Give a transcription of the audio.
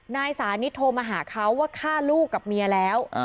นายสานิทโทรมาหาเขาว่าฆ่าลูกกับเมียแล้ว